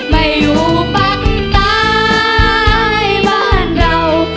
ไม่อยู่ปักตายบ้านเรา